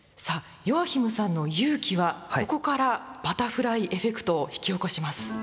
さあヨアヒムさんの勇気はここから「バタフライエフェクト」を引き起こします。